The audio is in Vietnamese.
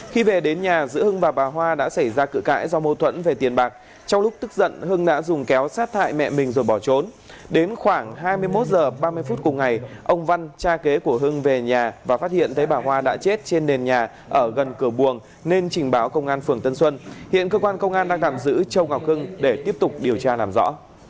khi về đến nhà giữa hưng và bà hoa đã xảy ra cửa cãi do mâu thuẫn về tiền bạc trong lúc tức giận hưng đã dùng kéo sát thại mẹ mình rồi bỏ trốn đến khoảng hai mươi một giờ ba mươi phút cùng ngày ông văn cha kế của hưng về nhà và phát hiện thấy bà hoa đã chết trên nền nhà ở gần cửa buồng nên trình báo công an phường tân xuân hiện cơ quan công an đang đảm giữ châu ngọc hưng để tiếp tục điều tra làm rõ